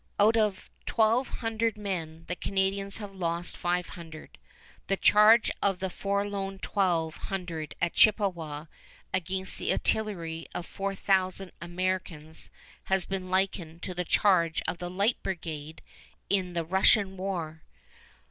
Out of twelve hundred men, the Canadians have lost five hundred. The charge of the forlorn twelve hundred at Chippewa against the artillery of four thousand Americans has been likened to the charge of the Light Brigade in the Russian War.